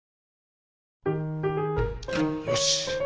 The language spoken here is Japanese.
よし。